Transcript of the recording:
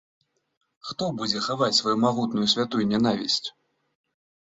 Хто будзе хаваць сваю магутную святую нянавісць?